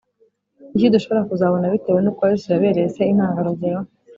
Ni iki dushobora kuzabona bitewe n uko yesu yabereye se intangarugero